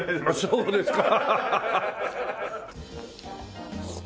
そうですか。